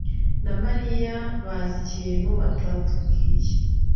na Mariya bazi ikintu batatubwiye.